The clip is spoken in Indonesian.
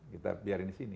kita biarin di sini